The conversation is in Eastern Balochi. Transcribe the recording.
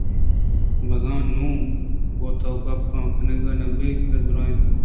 بزاں نوں گوں تو گپ کنگ نہ بیتبانک ءَ درّائینت